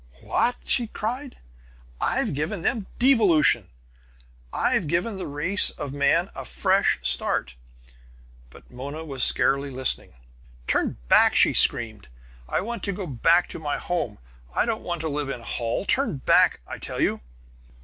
"What?" she cried. "I've given them devolution. I've given the race of man a fresh start." But Mona was scarcely listening. "Turn back!" she screamed. "I want to go back to my home! I don't want to live in Holl. Turn back, I tell you!"